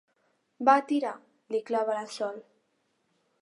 Va, tira! —li clava la Sol.